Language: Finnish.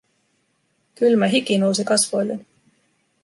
Kylmä hiki nousi kasvoilleni!